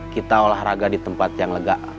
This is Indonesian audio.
kita olahraga di tempat yang lega